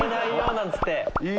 なんつって。